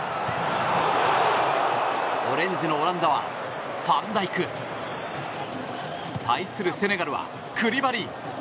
オレンジのオランダはファンダイク。対するセネガルはクリバリ。